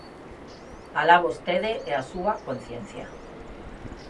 Alá vostede e a súa conciencia.